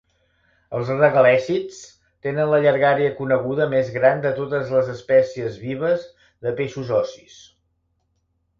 Els regalècids tenen la llargària coneguda més gran de totes les espècies vives de peixos ossis.